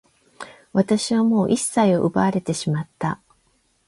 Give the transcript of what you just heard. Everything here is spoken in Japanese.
私はもう一切を奪われてしまった。